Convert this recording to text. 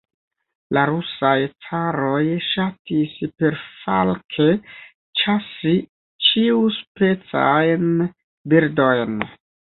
La rusaj caroj ŝatis perfalke ĉasi ĉiuspecajn birdojn.